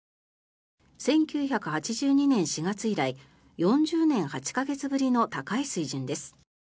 １９８２年４月以来４０年８か月ぶりの高い水準です。